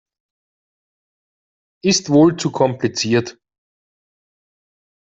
Ist wohl zu kompliziert.